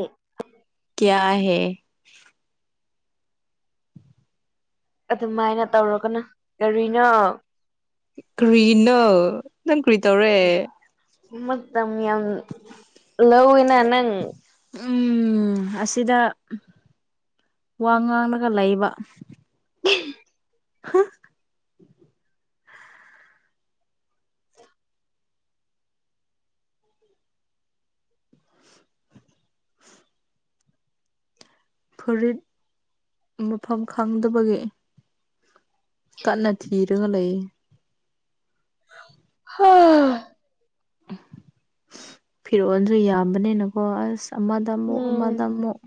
ꯑꯦ [unintelligible] ꯀꯩꯌꯥ ꯍꯦ ꯑꯗꯨꯃꯥꯏꯅ ꯇꯧꯔꯥꯛꯀꯅꯨ ꯀꯔꯤꯅꯣ ꯀꯔꯤꯅꫭ ꯅꯪ ꯀꯔꯤ ꯇꯧꯔꯦ ꯃꯇꯝ ꯌꯥꯝ ꯂꯧꯏꯅ ꯅꯪ ꯎꯝ ꯑꯁꯤꯗ ꯋꯥ ꯉꯥꯡꯂꯒ ꯂꯩꯕ [unintelligible] [unintelligible] ꯐꯨꯔꯤꯠ ꯃꯐꯝ ꯈꯪꯗꯕꯒꯤ ꯀꯟꯅ ꯊꯤꯔꯒ ꯂꯩꯑꯦ ꯍ ꯐꯤꯔꫭꯟꯁꯨ ꯌꯥꯝꯕꯅꯤꯅꯀꯣ ꯑꯁ ꯑꯃꯗ ꯑꯃꯨꯛ ꯎꯝ ꯑꯃꯗ ꯑꯃꯨꯛ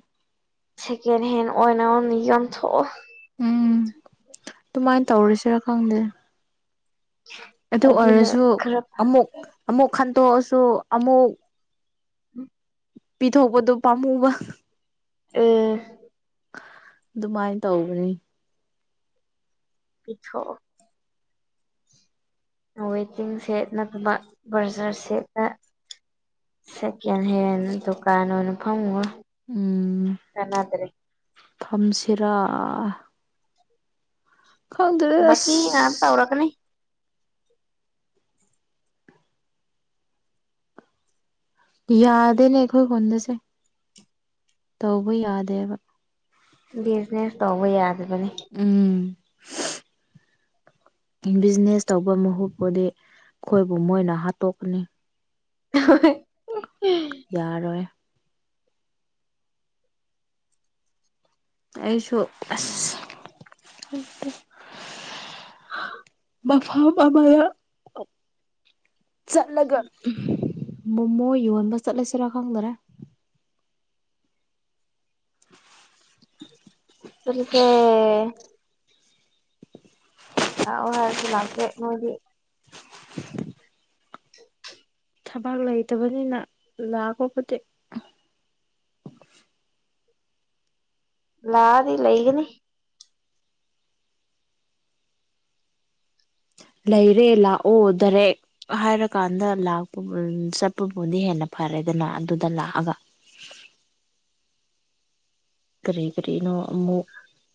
ꯁꯦꯀꯦꯟ ꯍꯦꯟ ꯑꯣꯏꯅ ꯑꫭꯟꯅꯤ ꯌꯦꯟꯊꯣꯛꯑꫭ ꯎꯝ ꯑꯗꯨꯃꯥꯏꯟ ꯇꯧꯔꯥꯁꯤꯔꯥ ꯈꯪꯗꯦ ꯑꯗꯨ ꯑꯗꯨꯅ ꯑꯣꯏꯔꯁꯨ ꯈꯔ ꯑꯃꯨꯛ ꯑꯃꯨꯛ ꯈꯟꯇꯣꯛꯑꯁꯨ ꯑꯃꯨꯛ ꯎꯝ ꯄꯤꯊꯣꯛꯄꯗꯨ ꯄꯥꯝꯃꯨꯕ ꯑꯦ ꯑꯗꯨꯃꯥꯏ ꯇꯧꯕꯅꯤ ꯄꯤꯊꯣꯛ ꯑꫭ ꯋꯦꯇꯤꯡ ꯁꯦꯠ ꯅꯠꯇꯕ ꯕ꯭ꯔꯖꯔ ꯁꯦꯠꯇꯥ ꯁꯦꯀꯦꯟ ꯍꯦꯟ ꯗꯨꯀꯥꯟ ꯑꯣꯏꯅ ꯐꯝꯈꫭ ꯎꯝ ꯐꯝꯁꯤꯔꯥ ꯈꯪꯗ꯭ꯔꯦ ꯑꯁ ꯕꯥꯛꯀꯤꯅꯥ ꯇꯧꯔꯛꯀꯅꯤ ꯌꯥꯗꯦꯅꯦ ꯑꯩꯈꯣꯏ ꯍꯣꯟꯗꯁꯦ ꯇꯧꯕ ꯌꯥꯗꯦꯕ ꯕꯤꯖꯤꯅꯦꯁ ꯇꯧꯕ ꯌꯥꯗꯕꯅꯤ ꯎꯝ ꯕꯤꯖꯤꯅꯦꯁ ꯇꯧꯕ ꯃꯍꯨꯠꯄꯨꯗꯤ ꯑꯩꯈꯣꯏꯕꯨ ꯃꯣꯏꯅ ꯍꯥꯠꯇꯣꯛꯀꯅꯤ [unintelligible] ꯌꯥꯔꯣꯏ ꯑꯩꯁꯨ ꯑꯁ ꯍꯩꯇꯦ [unintelligible] ꯃꯐꯝ ꯑꯃꯗ ꯆꯠꯂꯒ ꯃꯣꯃꯣ ꯌꯣꯟꯕ ꯆꯠꯂꯁꯤꯔꯥ ꯈꯪꯗ꯭ꯔꯦ ꯆꯠꯂꯁꯦ ꯂꯥꯛꯑꯦ ꯍꯥꯏꯔꯁꯨ ꯂꯥꯛꯇꯦ ꯅꫭꯏꯗꯤ [inaudible] ꯊꯕꯛ ꯂꯩꯇꯕꯅꯤꯅ ꯂꯥꯛꯄꯕꯨꯗꯤ ꯂꯥꯛꯑꯗꯤ ꯂꯩꯒꯅꯤ ꯂꯩꯔꯦ ꯂꯥꯛꯑꯣ ꯗꯥꯏꯔꯦꯛ ꯍꯥꯏꯔꯀꯥꯟꯗ ꯂꯥꯛꯄ ꯆꯠꯄꯕꯨꯗꯤ ꯍꯦꯟꯅ ꯐꯔꯦꯗꯅ ꯑꯗꯨꯗ ꯂꯥꯛꯑꯒ ꯀꯔꯤ ꯀꯔꯤꯅꯣ ꯑꯃꯨꯛ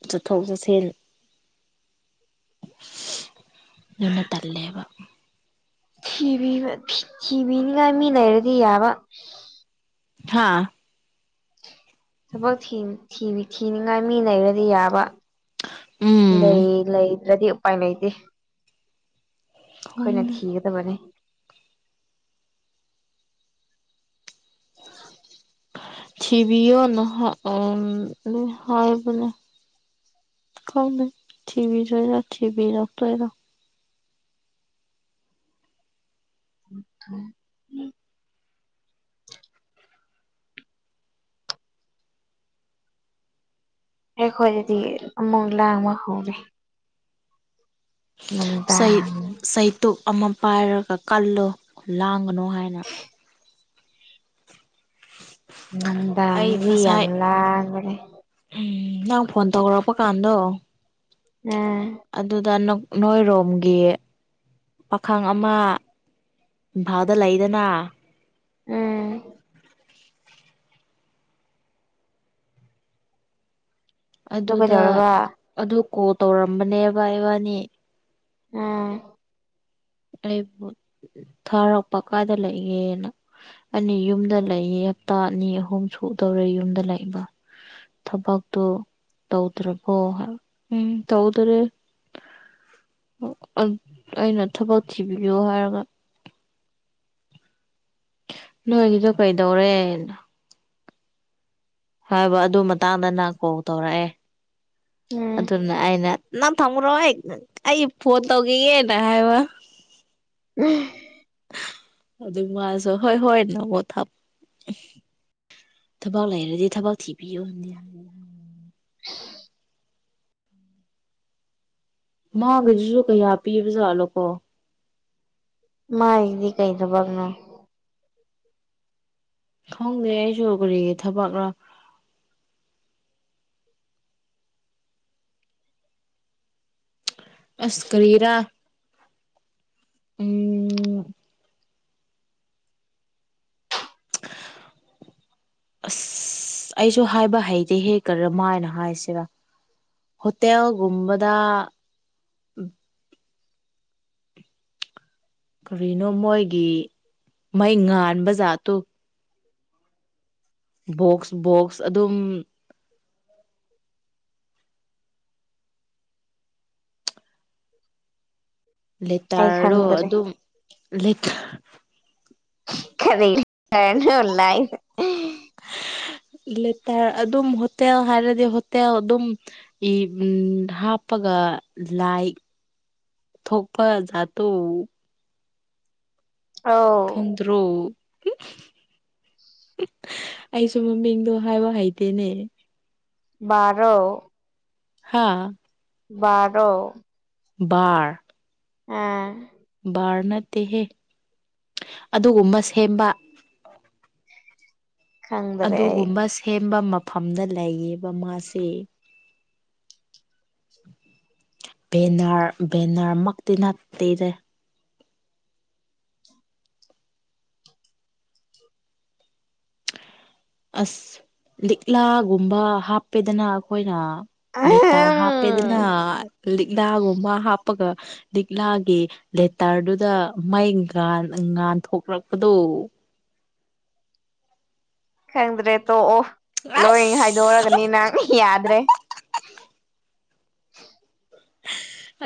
ꯆꯠꯊꯣꯛ ꯆꯠꯁꯤꯟ [unintelligible] ꯑꯗꯨꯅ ꯇꯜꯂꯦꯕ ꯊꯤꯕꯤꯕ ꯊꯤꯕꯤꯅꯤꯉꯥꯏ ꯃꯤ ꯂꯩꯔꯗꯤ ꯌꯥꯕ ꯍꯥꯥ ꯊꯕꯛ ꯊꯤ ꯊꯤꯅꯤꯡꯉꯥꯏ ꯃꯤ ꯂꯩꯔ ꯗꯤ ꯌꯥꯕ ꯎꯝ ꯂꯩ ꯂꯩꯗ꯭ꯔꯗꯤ ꯎꯄꯥꯏ ꯂꯩꯇꯦ ꯑꯩꯈꯣꯏꯅ ꯈꯪꯗꯦ ꯊꯤꯒꯗꯕꯅꯤ [inaudible] ꯊꯤꯕꯤꯌꯣ ꯅꯍ ꯎꯝ ꯍꯥꯏꯕꯅꯦ ꯈꯪꯗꯦ ꯊꯤꯕꯤꯗꯣꯏꯔꯥ ꯊꯤꯕꯤꯔꯛꯇꯣꯏꯔꯥ [unintelligible] ꯑꯩꯈꯣꯏꯗꯗꯤ ꯑꯃꯨꯛ ꯂꯥꯡꯕ ꯍꯧꯔꯦ ꯅꯨꯡꯗꯥꯡ ꯆꯩꯇꯨꯞ ꯑꯃ ꯄꯥꯏꯔꯒ ꯀꯜꯂꯣ ꯂꯥꯡꯒꯅꯨ ꯍꯥꯏꯅ [inaudible] ꯑꯩ ꯅꯨꯡꯗꯥꯗꯤ ꯌꯥꯝ ꯑꯃ ꯂꯥꯡꯕꯅꯦ ꯎꯝ ꯅꯪ ꯐꯣꯟ ꯇꯧꯔꯛꯄ ꯀꯥꯟꯗꯣ ꯎꯝ ꯑꯗꯨꯗ ꯅꯣꯏꯔꯣꯝꯒꯤ ꯄꯥꯈꯪ ꯑꯃ ꯏꯝꯐꯥꯜꯗ ꯂꯩꯗꯅ ꯎꯝ ꯑꯗꯨ ꯑꯗꯨꯗ ꯀꯩꯗꯧꯔꯕ ꯑꯗꯨ ꯀꯣꯜ ꯇꯧꯔꯝꯕꯅꯦꯕ ꯏꯕꯥꯅꯤ ꯎꯝ ꯑꯩꯕꯨ ꯊꯥꯔꯛꯄ ꯀꯥꯏꯗ ꯂꯩꯒꯦꯅ ꯑꯅ ꯌꯨꯝꯗ ꯂꯩꯌꯦ ꯍꯞꯇꯥ ꯑꯅꯤ ꯑꯍꯨꯝ ꯁꯨꯗꯧꯔꯦ ꯌꯨꯝꯗ ꯂꯩꯕ ꯊꯕꯛꯇꯣ ꯇꯧꯗ꯭ꯔꯕꯣ ꯎꯝ ꯇꯧꯗꯔꯦ ꯑꯩ ꯑꯩꯅ ꯊꯕꯛ ꯊꯤꯕꯤꯌꯨ ꯍꯥꯏꯔꯒ ꯅꯣꯏꯒꯤꯗꯣ ꯀꯩꯗꯧꯔꯦꯅ ꯍꯥꯏꯕ ꯑꯗꯨ ꯃꯇꯥꯡꯗ ꯅꯪ ꯀꯣꯜ ꯇꯧꯔꯛꯑꯦ ꯎꯝ ꯑꯗꯨꯅ ꯑꯩꯅ ꯅꯪ ꯊꯝꯃꯨꯔꯣ ꯑꯩ ꯑꯩ ꯐꯣꯟ ꯇꯧꯈꯤꯒꯦꯅ ꯍꯥꯏꯕ [unintelligible] ꯑꯗꯨ ꯃꯥꯁꯨ ꯍꯣꯏ ꯍꯣꯏ ꯊꯝꯃꯣ ꯊꯝꯃꯣ ꯊꯕꯛ ꯂꯩꯔꯥꯗꯤ ꯊꯕꯛ ꯊꯤꯕꯤꯌꯣꯅꯦ ꯎ ꯃꯥꯒꯗꯨꯁꯨ ꯀꯌꯥ ꯄꯤꯕꯖꯥꯠꯂꯣꯀꯣ ꯃꯥꯥꯏꯗꯤ ꯀꯩ ꯊꯕꯛꯅꯣ ꯈꯪꯗꯦ ꯑꯩꯁꯨ ꯀꯔꯤꯒꯤ ꯊꯕꯛꯔ ꯑꯁ ꯀꯔꯤꯔꯥ ꯎꯝ [inaudible] ꯑꯁ ꯑꯩꯁꯨ ꯍꯥꯏꯕ ꯍꯩꯇꯦꯍꯦ ꯀꯔꯝ ꯃꯥꯥꯏꯅ ꯍꯥꯏꯁꯤꯔꯥ ꯍꯣꯇꯦꯜꯒꯨꯝꯕꯗ ꯀꯔꯤꯅꯣ ꯃꯣꯏꯒꯤ ꯃꯩ ꯉꯥꯟꯕ ꯖꯥꯠꯇꯨ [inaudible] ꯕꯣꯛꯁ ꯕꯣꯛꯁ ꯑꯗꯨꯝ [inaudible] ꯑꯩ ꯂꯩꯇ꯭ꯔꯔꯣ ꯈꯪꯗ꯭ꯔꯦ ꯑꯗꯨꯝ ꯂꯦꯇ [unintelligible] ꯂꯤꯇꯔ ꯑꯗꯨꯝ ꯍꯣꯇꯦꯜ ꯍꯥꯏꯔꯗꯤ ꯍꯣꯇꯦꯜ ꯑꯗꯨꯝ ꯏ ꯎꯝ ꯍꯥꯞꯄꯒ ꯂꯥꯏ ꯊꯣꯛꯄ ꯖꯥꯠꯇꯣ ꯑꯥꯎ ꯇ꯭ꯔꯣ ꯑꯩꯁꯨ ꯃꯃꯤꯡꯗꯣ ꯍꯥꯏꯕ ꯍꯩꯇꯦꯅꯦ ꯃꯥꯔꯣ ꯍꯥꯥ ꯕꯥꯔꯣ ꯕꯥꯔ ꯎꯝ ꯕꯥꯔ ꯅꯠꯇꯦꯍꯦ ꯑꯗꯨꯒꯨꯝꯕ ꯁꯦꯝꯕ ꯈꯪꯗ꯭ꯔꯦ ꯑꯩ ꯑꯗꯨꯒꯨꯝꯕ ꯁꯦꯝꯕ ꯃꯐꯝꯗ ꯂꯩꯌꯦꯕ ꯃꯥꯁꯤ ꯄꯦꯅꯥꯔ ꯕꯦꯅꯔ ꯃꯛꯇꯤ ꯅꯠꯇꯦꯗ ꯑꯁ ꯂꯤꯛꯂꯥꯒꯨꯝꯕ ꯍꯥꯞꯄꯦꯗꯅ ꯑꯩꯈꯣꯏꯅ ꯂꯦꯇꯔ ꯍꯥꯞꯄꯦꯗꯅ ꯑꯍꯝ ꯂꯤꯛꯂꯥꯒꯨꯝꯕ ꯍꯥꯞꯄꯒ ꯂꯤꯛꯂꯥꯒꯤ ꯂꯦꯇꯔꯗꯨꯗ ꯃꯩꯥ ꯉꯥꯟ ꯉꯥꯟꯊꯣꯛꯔꯛꯄꯗꯨ ꯈꯪꯗ꯭ꯔꯦ ꯇꯣꯛꯑꯣ ꯂꯣꯏ ꯑꯁ ꯍꯥꯏꯗꯣꯛꯔꯛꯑꯅꯤ ꯅꯪ ꯌꯥꯗ꯭ꯔꯦ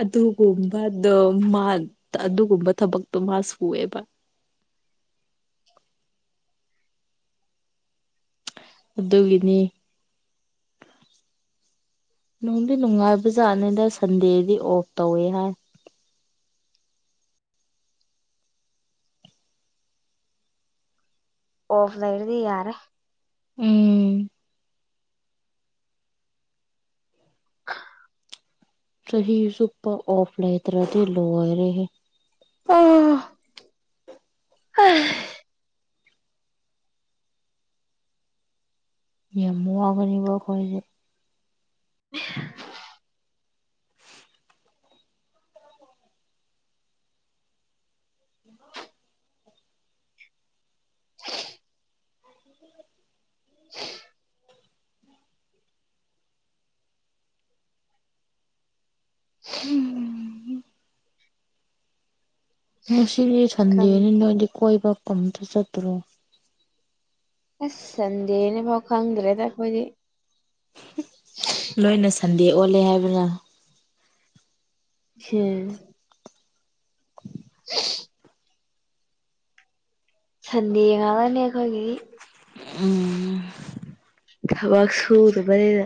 ꯑꯗꯨꯒꯨꯝꯕꯗꯣ ꯃꯥ ꯑꯗꯨꯒꯨꯝꯕ ꯊꯕꯛꯇꯣ ꯃꯥ ꯁꯨꯑꯦꯕ ꯑꯗꯨꯒꯤꯅꯤ ꯅꯨꯡꯗꯤ ꯅꯨꯡꯉꯥꯏꯕ ꯖꯥꯠꯅꯤꯗ ꯁꯟꯗꯦꯗꯤ ꯑꯣꯐ ꯇꯧꯋꯦ ꯍꯥꯏ ꯑꯣ ꯂꯩꯔꯗꯤ ꯌꯥꯔꯦ ꯎꯝ ꯆꯍꯤ ꯆꯨꯞꯄ ꯑꯣꯐ ꯂꯩꯇ꯭ꯔꯗꯤ ꯂꯣꯏꯔꯦꯍꯦ ꯑ ꯍꯩ ꯌꯥꯝ ꯋꯥꯕꯅꯦꯕ ꯑꯩꯈꯣꯏꯖꯦ [unintelligible] [unintelligible] [inaudible] [inaudible] [unintelligible] ꯍꯨꯝ ꯍꯨꯝ ꯉꯁꯤꯗꯤ ꯁꯟꯗꯦꯅꯤ ꯅꯣꯏꯗꯤ ꯀꯣꯏꯕ ꯀꯨꯝ ꯇ ꯆꯠꯇ꯭ꯔꯣ ꯑꯁ ꯁꯟꯗꯦꯅꯦꯐꯥꯎ ꯈꯪꯗ꯭ꯔꯦꯗ ꯑꯩꯈꯣꯏꯗꯤ ꯂꯣꯏꯅ ꯁꯟꯗꯦ ꯑꯣꯜꯂꯦ ꯍꯥꯏꯕꯅ [unintelligible] [inaudible] [unintelligible] ꯁꯟꯗꯦ ꯌꯦꯉꯛꯑꯅꯤ ꯑꯩꯈꯣꯏꯒꯤꯗꯤ ꯎꯝ ꯊꯕꯥꯛ ꯁꯨꯗꯕꯅꯤꯅ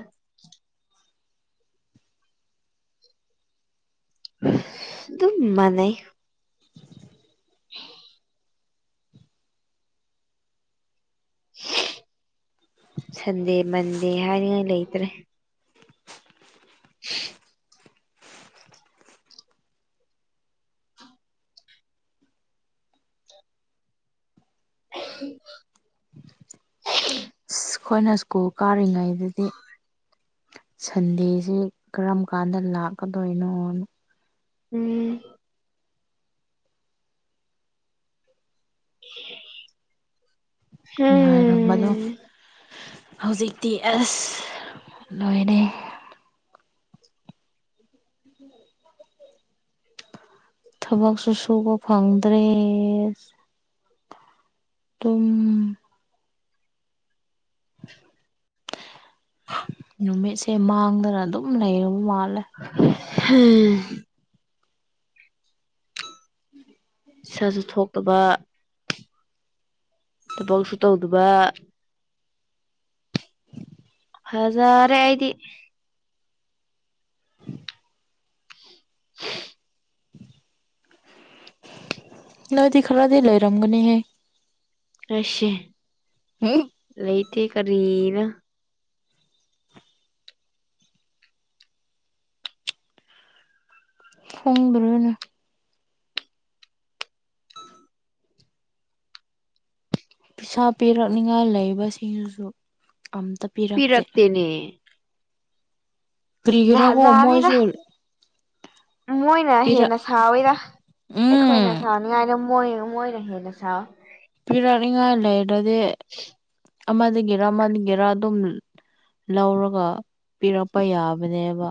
ꯑꯗꯨꯝ ꯃꯥꯟꯅꯩ [inaudible] [unintelligible] ꯁꯟꯗꯦ ꯃꯟꯗꯦ ꯍꯥꯏꯅꯤꯉꯥꯏ ꯂꯩꯇ꯭ꯔꯦ [inaudible] [inaudible] ꯁ ꯈꯣꯏꯅ ꯁ꯭ꯀꯨꯜ ꯀꯥꯔꯤꯉꯩꯗꯗꯤ ꯁꯟꯗꯦꯁꯤ ꯀꯔꯝ ꯀꯥꯟꯗ ꯂꯥꯛꯀꯗꯣꯏꯅꯣꯅ ꯎꯝ [inaudible] ꯉꯥꯏꯔꯝꯃꯅꯣ ꯍꯝ ꯍ ꯍꯧꯖꯤꯛꯇꯤ ꯑꯁ ꯅꯣꯏꯅꯦ ꯊꯕꯛꯁꯨ ꯁꯨꯕ ꯐꯪꯗ꯭ꯔꯦ ꯇꯝ [unintelligible] ꯅꯨꯃꯤꯠꯁꯦ ꯃꯥꯡꯗꯅ ꯑꯗꯨꯝ ꯂꯩꯔꯕ ꯃꯥꯜꯂꯦ ꯍ ꯍ ꯎꯝ ꯏꯁꯥꯁꯨ ꯊꯣꯛꯇꯕ ꯊꯕꯛꯁꯨ ꯇꯧꯗꯕ ꯐꯖꯔꯦ ꯑꯩꯗꯤ ꯎ ꯅꯣꯏꯗꯤ ꯈꯔꯗꯤ ꯂꯩꯔꯝꯒꯅꯤꯍꯦ ꯑꯩꯁꯦ [unintelligible] ꯂꯩꯇꯦ ꯀꯔꯤꯔꯥ ꯈꯪꯗ꯭ꯔꯦꯅꯦ ꯄꯩꯁꯥ ꯄꯤꯔꯛꯅꯤꯉꯥꯏ ꯂꯩꯕꯁꯤꯡꯁꯤꯁꯨ ꯑꯝꯇ ꯄꯤꯔꯛꯇꯦ ꯄꯤꯔꯛꯇꯦꯅꯦ ꯀ꯭ꯔꯤꯒꯤꯔ ꯖꯥꯠ ꯍꯣ ꯖꯥꯠꯅꯤꯗ ꯃꯣꯏꯁꯨꯜ ꯃꯣꯏꯅ ꯍꯦꯟꯅ ꯁꯥꯎꯋꯤꯗ ꯑꯩꯈꯣꯏꯅ ꯎꯝ ꯁꯥꯎꯅꯤꯡꯉꯥꯏꯗꯣ ꯃꯣꯏ ꯃꯣꯏꯅ ꯍꯦꯟꯅ ꯁꯥꯎꯋꯦ ꯄꯤꯔꯛꯅꯤꯉꯥꯏ ꯂꯩꯔꯗꯤ ꯑꯃꯗꯒꯤꯔ ꯑꯃꯗꯒꯤꯔ ꯑꯗꯨꯝ ꯂ ꯂꯧꯔꯒ ꯄꯤꯔꯛꯄ ꯌꯥꯕꯅꯦꯕ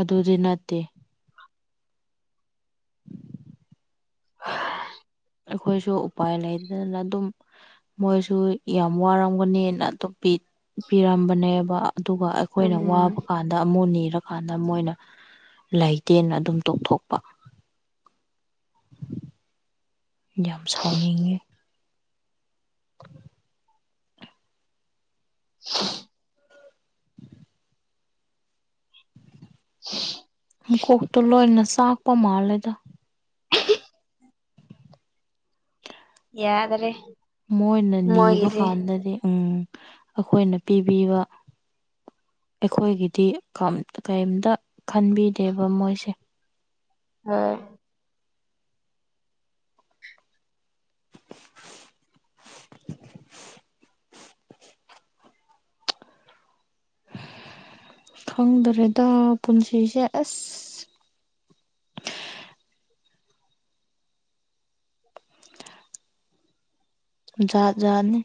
ꯑꯗꯨꯗꯤ ꯅꯠꯇꯦ ꯑꯩꯈꯣꯏꯁꯨ ꯎꯄꯥꯏ ꯂꯩꯗꯗꯅ ꯑꯗꯨꯝ ꯃꯣꯏꯁꯨ ꯌꯥꯝ ꯋꯥꯔꯝꯒꯅꯤꯅ ꯑꯇꯨꯝ ꯄꯤ ꯄꯤꯔꯝꯕꯅꯦꯕ ꯑꯗꯨꯒ ꯑꯩꯈꯣꯏꯅ ꯋꯥꯕ ꯀꯥꯟ ꯎꯝ ꯀꯥꯟꯗ ꯑꯃꯨꯛ ꯅꯤꯔꯀꯥꯟꯗ ꯃꯣꯏꯅ ꯂꯩꯥꯏꯇꯦꯟꯅ ꯑꯗꯨꯝ ꯇꯣꯛꯊꯣꯛꯄ ꯌꯥꯝ ꯁꯥꯎꯅꯤꯡꯉꯦ ꯁꯤ [inaudible] ꯃꯨꯀꯣꯛꯇꯣ ꯂꯣꯏꯅ ꯆꯥꯛꯄ ꯃꯥꯜꯂꯦꯗ ꯌꯥꯗ꯭ꯔꯦ ꯃꯣꯏꯅ ꯅꯤꯕ ꯀꯥꯟꯗꯗꯤ ꯎꯝ ꯑꯩꯈꯣꯏꯅ ꯄꯤꯕꯤꯕ ꯑꯩꯈꯣꯏꯒꯤꯗꯤ ꯀꯔꯤꯝꯇ ꯈꯟꯕꯤꯗꯦꯕ ꯃꯣꯏꯁꯦ [unintelligible] ꯈꯪꯗ꯭ꯔꯦꯗ ꯄꯨꯟꯁꯤꯁꯦ ꯑꯁ ꯖꯥꯠꯖꯥꯠꯅꯤ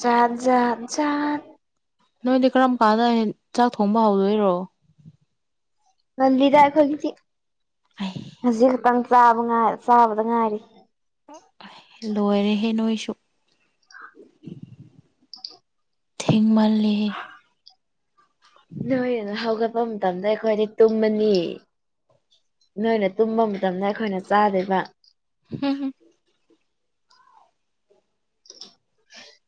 ꯖꯥꯠ ꯖꯥꯠ ꯖꯥꯠ ꯅꯣꯏꯗꯤ ꯀꯔꯝ ꯀꯥꯟꯗ ꯆꯥꯛ ꯊꯣꯡꯕ ꯍꯧꯗꯣꯏꯔꯣ ꯉꯜꯂꯤꯗ ꯑꯩꯈꯣꯏꯒꯤꯗꯤ ꯑꯩ ꯍꯧꯖꯤꯛ ꯈꯛꯇꯪ ꯆꯥꯕ ꯉꯥꯏꯔꯤ ꯆꯥꯕꯗ ꯉꯥꯏꯔꯤ ꯂꯣꯏꯔꯦꯍꯦ ꯅꯣꯏꯁꯨ ꯊꯦꯡꯃꯜꯂꯦꯍꯦ ꯅꯣꯏ ꯅ ꯍꯧꯒꯠꯄ ꯃꯇꯝꯗ ꯑꯩꯈꯣꯏꯗꯤ ꯇꯨꯝꯃꯅꯤ ꯅꯣꯏꯅ ꯇꯨꯝꯕ ꯃꯇꯝꯗ ꯑꯩꯈꯣꯏꯅ ꯆꯥꯗꯣꯏꯕ ꯍꯝ ꯍꯝ [inaudible]